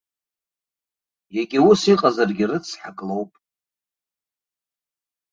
Егьа ус иҟазаргьы рыцҳак лоуп.